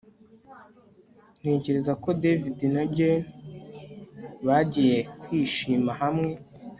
Ntekereza ko David na Jane bagiye kwishima hamwe